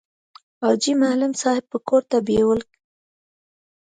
حاجي معلم صاحب به کور ته بېول.